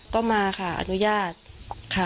ก็มาค่ะอนุญาตค่ะ